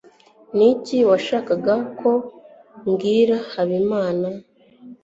Niki washakaga ko mbwira Habimana?